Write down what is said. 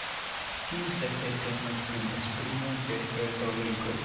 Tiusence temas pri esprimo de retoriko.